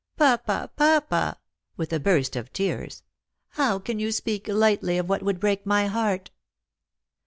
" Papa, papa !" with a burst of tears, " how can you speak lightly of what would break my heart